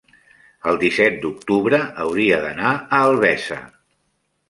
el disset d'octubre hauria d'anar a Albesa.